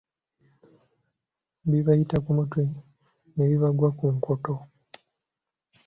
Bibayita ku mutwe ne bibagwa enkoto.